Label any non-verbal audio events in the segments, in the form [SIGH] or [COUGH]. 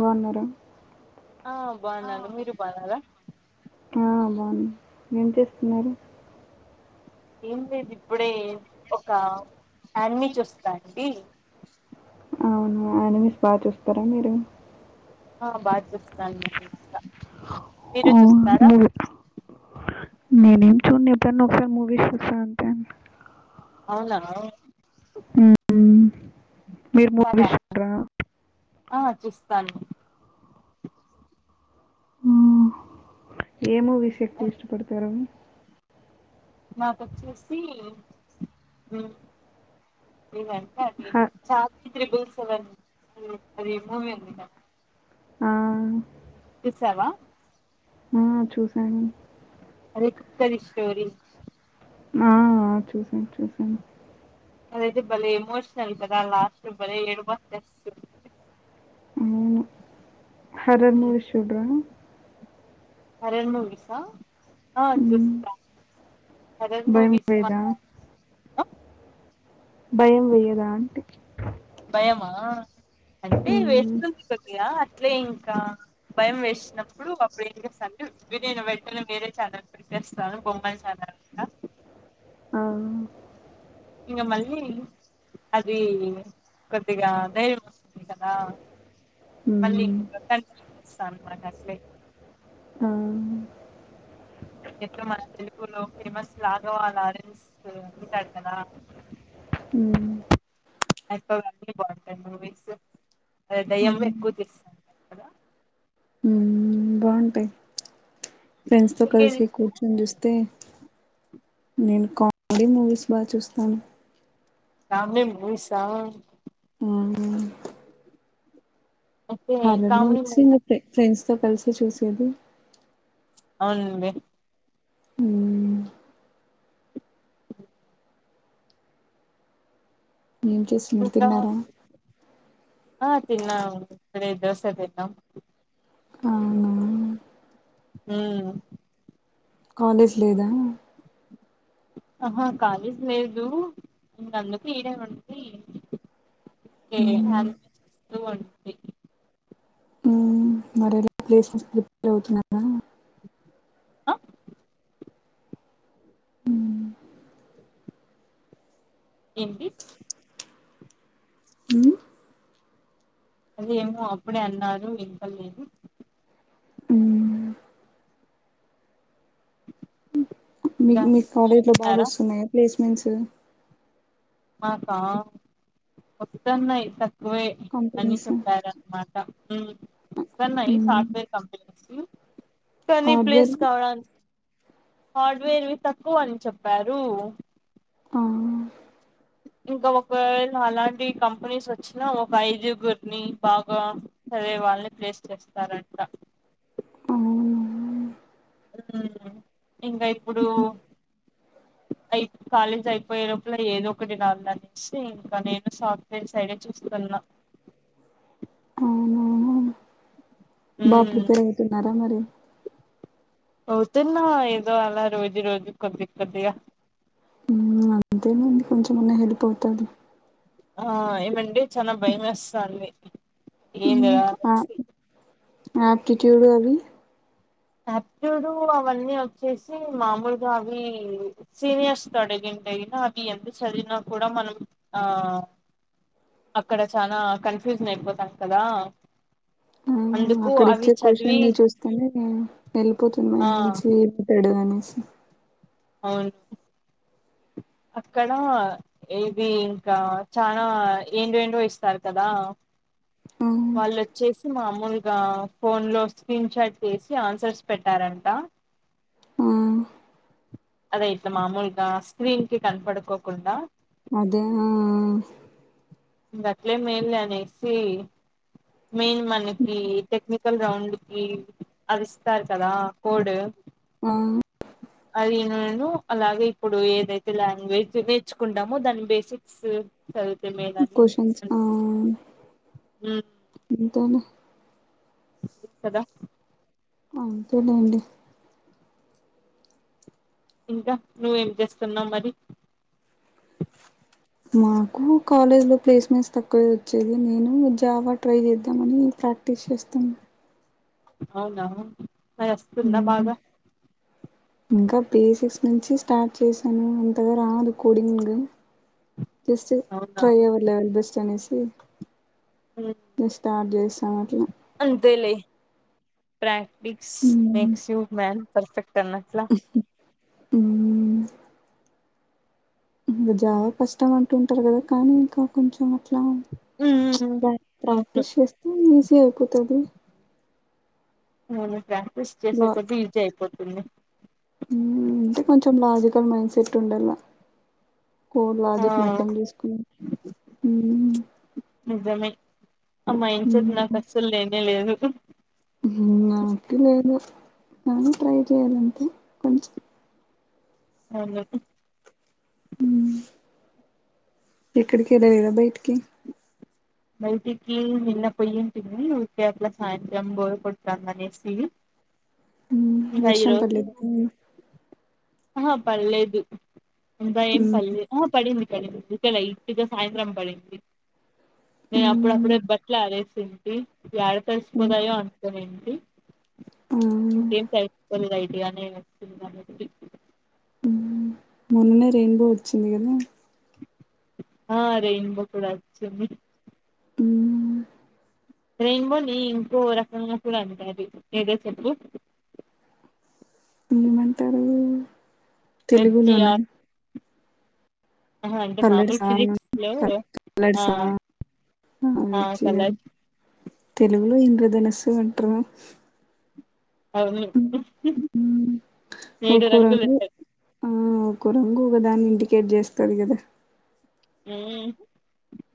బాగున్నారా ఆ బాగున్నాను మీరు బాగున్నారా హా బాగున ఏం చేస్తున్నారు ఏం లేదు ఇప్పుడే ఒక ఆన్మీ చూస్తా అంటి అవున యానిమేషన్ బాగా చూస్తారా మీరు ఆ బాగా చూస్తా అన్నమాట మీరు ఆ చూస్తారా లీవ్ ఇట్ నేనేం చూడను ఎప్పుడైనా ఒకసారి మూవీస్ చూస్తాను అంతే అవునా ఆ ఉమ్ సరే ఆ చూస్తాను హ్మ్. ఏ మూవీస్ ఎక్కువ ఇష్టపడతారు నాకొచ్చేసి వేవ్ ఇదంటే అది హ చార్మి త్రిబుల్ సెవెన్ అది మూవీ ఉంది కదా ఆ! చూసావా ఆ చూసాను అదే కుక్కది స్టోరి ఆ చూశాను చూశాను అదైతే భలే ఎమోషనల్ కదా లాస్ట్ బలే ఏడుపు వచ్చేస్తది హరర్ మూవీస్ చూడరా హారర్ మూవీసా ఆ హ్మ్. చూస్తా హర్రర్ భయం మూవీస్ వేయదా? భయం వెయ్యదా అంటి భయమా అంటే హ్మ్. వేస్తుంది కొద్దిగా అట్లే ఇంకా భయం వేసినప్పుడు అప్పుడు ఏం చేస్తా అంటే బియా అయిన వెంటనే వేరే ఛానల్ పెట్టేస్తాను బొమ్మలు ఛానల్ ఆ ఇంగ మళ్ళీ అది కొద్దిగా ధైర్యం వస్తుంది కదా మళ్ళీ హ్మ్. ఇంక క సన్ మనకట్లే హ్మ్ ఇప్పుడు మన తెలుగులో ఫేమస్ రాఘవ లారెన్స్ ఉంటాడు కదా ఉమ్ ఐప అన్ని బావుంటాయి మూవీస్ దయ్యం ఎక్కువ తీస్తుంట కదా బావుంటాయి ఫ్రెండ్స్తో మీకేది కలిసి కు ఇష్టము నేను చూస్తే నేను కామెడీ మూవీస్ బాగా చూస్తాను కామెడీ మూవీసా హ్మ్ అయితే హర్రర్ కామెడీ మూవీస్ మూవీ ఇంగా ఫె ఫ్రెండ్స్తో కలిసి చూసేది అవునండి ఉమ్ ఏం చేస్తున్నారు ఇంకా తిన్నారా ఆ తిన్నా అదే దోస తిన్నం అవున ఉమ్ కాలేజ్ లేదా ఆహా కాలేజ్ లేదు ఇంక అందుకే ఈడే ఉండి కే అన్ నువ్వన్ ప్లేసెస్ రిప్ అవుతున్నారా ఆ ఏంటి అది ఏమో అప్పుడే అన్నారు వినపడలేదు ఉమ్ మీ ఇంకా మీ మీరు కాలేజ్ లో బాగా తిన్నారా వస్తున్నాయా ప్లేస్మెంట్స్ మాకా వత్తన్నయ్ తక్కువే అని కంపెనీస్ చెప్పారన్నమాట మ్ వస్తన్నాయి సాఫ్ట్వేర్ కంపెనీస్ కానీ హార్డ్వేర్ ప్లేస్ కావడాన్ హార్డ్వేర్వి తక్కువ అని చెప్పారు ఆ ఇంకా ఒకవేళ అలాంటి కంపెనీస్ వచ్చినా ఒక ఐదుగురిని బాగా చదివే వాళ్ళని ప్లేస్ చేస్తారంట అవునా ఇంగా ఇప్పుడు అయి కాలేజ్ అయి పోయే లోపల ఏదో ఒకటి నామ్న సీ ఇంక నేను సాఫ్ట్వేర్ సైడే చూస్తున్న అవున బాగా ఉమ్ ప్రిపేర్ అయితున్నారా మరి అవుతున్నా ఏదో అలా రోజు రోజు కొద్ది కొద్దిగా మ్మ్ అంతేనండి కొంచెం ఆన్నా హెల్ప్ అవుతది ఆ ఏమండి చాల భయం ఎస్తాంది ఏందిర అ ఆప్టిట్యూడ్ అవి ఆప్టిట్యూడ్ అవన్నీ వచ్చేసి మాములుగా అవి సీనియర్స్ తో అడిగింటే గిన అవి ఎంత చదివినా కూడా మనం ఆ అక్కడ చానా కన్ఫ్యూజన్ అయిపోతాం కదా అందుకు అవి చదివి ఊహు వెళ్ళిపోతుంది మా ఆ నుంచి ఏ మాంటాడు అనేసి అవును అక్కడ ఇది ఇంకా చనా ఏంటి ఏంటివో ఇస్తారు కదా ఆ వాళ్లు చేసి మామూలుగా ఫోన్ లో స్క్రీన్ చాట్ చేసి ఆన్సర్స్ పెట్టారంట ఊ అదే ఇట్లా మామూలుగా స్క్రీన్ కి కనపడుకోకుండా అదా ఇంగ అట్లే మేలనేసి మెయిన్ మనకి టెక్నికల్ రౌండ్ కి అదిస్తారు కదా కోడ్ ఆవును అది నేను అలాగే ఇప్పుడు ఏదైతే లాంగ్వేజ్ నేర్చుకుంటామో దాని బేసిక్ సు చదివితే మేలని క్వశ్చన్స్ ఆ ఉ ఇంతోనే కదా అంతేలేండి ఇంకా నువ్వేమ్ చేస్తున్నావ్ మరి మాకు కాలేజ్ లో ప్లేస్మెంట్స్ తక్కువే వచ్చేది నేను జావా ట్రై చేద్దామని ప్రాక్ టీష్ చేస్తున్న అవునా ఆయస్తుందా మ్మ్ బాగా ఇంకా బేసిక్స్ నుంచి స్టార్ట్ చేశాను అంతగా రాదు కూడింగు జస్ట్ అవునా ట్రై అవర్ లేవల్ బెస్ట్ అనేసి ఉమ్ నె స్టార్ట్ చేసా అట్లా అంతేలే practice hmm makes you man perfect అన్నట్లా. ఊ ఇంకా జావ కష్టం అంటుంటారు కదా కానీ ఇంకా కొంచెం అట్లా ప్చ్ ఉమ్ ప్రా అవును ప్రాక్టీస్ చేస్తే ఈజీ అయిపోతది మోను ప్రాక్టీస్ చేసే కొద్ది ఈజి అయిపోతుంది ఊ అంటే కొంచెం లాజికల్ మైండ్ సెట్ ఉండల్లా కోడ్ ఆ లాజిక్ ని అర్థం చేసుకుని ఊ నిజమే ఆ మైండ్ సెట్ నాకు అసలు లేనే లేదు ఊ నాకు లేదు కానీ ట్రై చెయాలంతె కొంచెం అవును ఊ ఎక్కడికి వెళ్ళలేదా బయిటికి బయిటికి నిన్న పోయింటిమి ఊరికే అట్లా సాయంత్రం బోర్ కొడతందనేసి ఊ వర్షం పడలేద అని ఆహ పల్లేదు ఇంకాా ఏం పల్లేదు ఆ పడింది పడింది ఉకే లైట్టుగా సాయంత్రం పడింది నేను హ్మ్ అప్పుడప్పుడే బట్లు ఆరెసింటి యాడ హ్మ్ హ్మ్. తడిసిపోతాయో అనుకొనింటి ఆ ఇంకేంటి యాక్చువల్ ఐడియానే [UNINTELLIGIBLE] ఉమ్మ్ మొన్నే రెయిన్ బో వచ్చింది కదా ఆ రెయిన్ బో కూడా అచ్చింది ఉమ్ రెయిన్బోని ఇంకో రకంగా కూడా అంటారు ఏదో చెప్పు ఏమంటారు వెబ్ తెలుగులోనా జిఆర్ ఆహా అంటే మామూలు కలర్సా ఫిజిక్స్ లో క ఆ కలర్సా ఆ వెయిట్ చేయాలి తెలుగులో ఇంద్రధనస్సు అంటారు అవును హ్మ్. ఏడు ఒక్కో రంగులు రంగు ఉంటాయ్ ఆ ఒక్కో రంగు ఒక దాన్ని ఇండికేట్ చేస్తది కదా ఉమ్మ్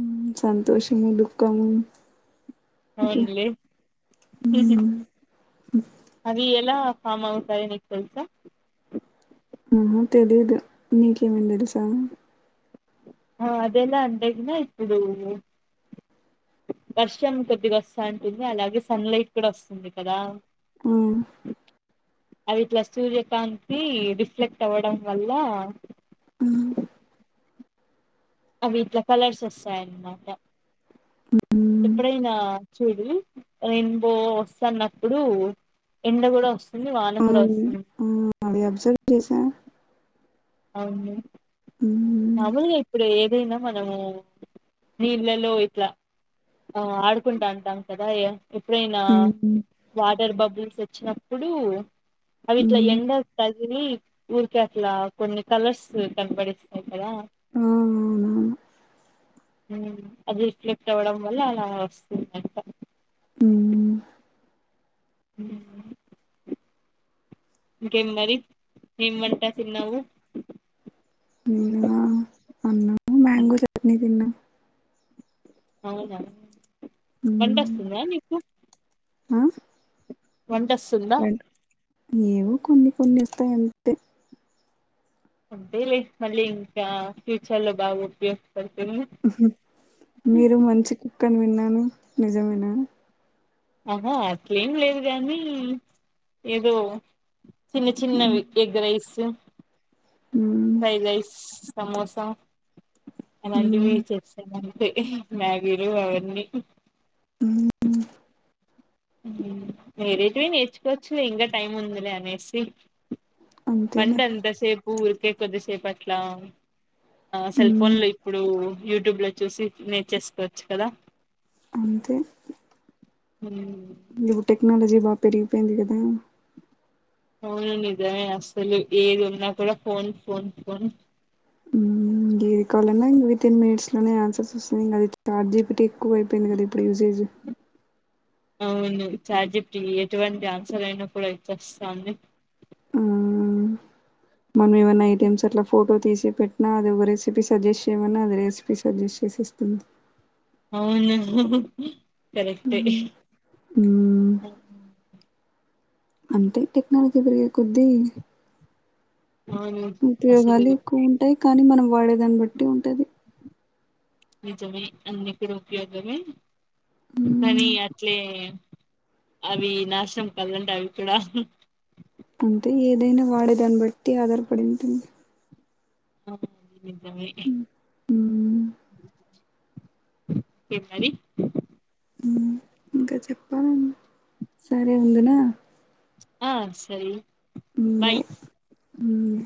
ఉమ్ సంతోషము దుఃఖము అట్లా అవున్లే అవి ఎలా ఫామ్ అవుతాయో నీకు తెలుసా ఆహా తెలీదు నీకేమైనా తెలుసా ఆ అదేలా అంటే గిన ఇప్పుడు వర్షం కొద్దిగా వస్తాంటుంది అలాగే సన్ లైట్ కూడా వస్తుంది కదా ఆ అది ఇట్లా సూర్యకాంతి రిఫ్లెక్ట్ అవ్వడం వల్ల ఆ అవి ఇట్లా కలర్స్ వస్తాయి అనమాట హ్మ్ ఎప్పుడైనా చూడు రెయిన్బో వస్తన్నప్పుడు ఎండ కూడా వ స్తుంది వాన కూడా అవును వస్తుంది అది అబ్జర్వ్ చేసా అవును హ్మ్ మాములుగా ఇప్పుడు ఏదైనా మనము నీళ్ళలో ఇట్లా ఆ ఆడుకుంటాంటం కదా యా ఎప్పుడైనా హ్మ్ వాటర్ బబుల్స్ వచ్చినప్పుడు అవి ఇట్లా హ్మ్ ఎండ కదిలి ఊరికే అట్లా కొన్ని కలర్స్ కనపడిస్తాయి కదా ఆ అవునవును ఉమ్మ్ అది రిఫ్లెక్ట్ అవ్వడం వల్ల అలా వస్తుందంట ఉమ్మ్ ఉమ్మ్ ఇంకేం మరి ఏం వంట తిన్నావు తిన్న అన్నా ఉమ్, అవునా ఉమ్ ట వస్తుందా నీకు ఆ వంటసుందా ఏవో కొన్ని కొన్ని వస్తాయి అం అంతేలే మళ్ళీ ఇంకా ఫ్యూచర్లో బాగా ఉపయోగపడుతుంది మీరు మంచి కుక్ అని విన్నాను నిజమేనా ఆహా అట్లేం లేదు గాని ఏదో చిన్న హ్మ్ చిన్నవి ఎగ్ రైస్ హ్మ్ ఫ్రైడ్ రైస్ సమోసా అలాంటివి హ్మ్ చేస్తాను అంతే మ్యాగీలు అవన్నీ ఉ వేరేటివి నేర్చుకోవచ్చులే ఇంకా టైం ఉందిలే అనేసి వంట అంతేలే అంత సేపు ఊరికే కొద్దిసేపట్లా ఆ సెల్ హ్మ్ ఫోన్లు ఇప్పుడు యూట్యూబ్ లో చూసి నేర్చేసుకోవచ్చు కదా అంతే హ్మ్ న్యూ టెక్నోలజీ బాగా పెరిగిపోయింది కదా అవును అండి నిజమే అసలు ఏదీ ఉనా కూడా ఫోన్ ఫోన్ ఫోన్ ఇది కావాలన్నా విత్ ఇన్ మినిట్స్ లోనే ఆన్సర్స్ వస్తున్నాయి చాట్జీపీటీ ఎక్కువ అయిపోయింది కాద ఇప్పుడు యూసేజ్ అవును చాట్జీపీటీ ఎటువంటి ఆన్సర్ అయినా కూడా ఇచ్చేస్తాంది హ్మ్ మనం ఏమైన్నా ఐటెమ్స్ అట్లా ఫోటో తీసి పెట్టినా అది ఒక రెసిపీ సజెస్ట్ చేయమన్నా అది రెసిపీ సజెస్ట్ చేసేస్తుంది అవును కరెక్టే హ్మ్ అంటే టెక్నాలజీ పెరిగే కొద్దీ అవును అసలు ఉపయోగాలు ఎక్కువ ఉంటాయి కానీ మనం వాడేదాన్ని బట్టి ఉంటది నిజమ అన్ని కూడా ఉపయోగమే కానీ హ్మ్ అట్లే అవి నాశనం కదండి అవిక్కూడా అంటే ఏదైనా వాడే దాన్ని బట్టి ఆధారపడి ఉంటుంది అవునండి నిజమే హ్మ్ ఇంకేం మరి హ్మ్ ఇంకా చెప్పాలీ సరే ఉండనా ఆ సరే బాయ్ హ్మ్